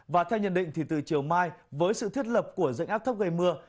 và theo nhận định thì từ chiều mai với sự thiết lập của dạnh áp thấp gây mưa